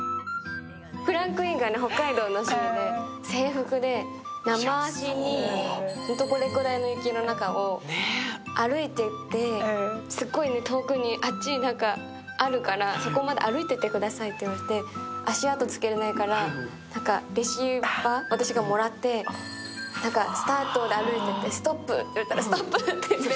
クランクインが北海道のシーンで制服で生足にこれくらいの雪の中を歩いていって、すっごい遠くに、あっちにあるから、そこまで歩いていってくださいと言われて、足跡つけられないから、レシーバー、私がもらって、スタートで歩いていってストップって言われたらストップって。